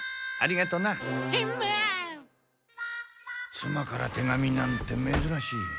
妻から手紙なんてめずらしい。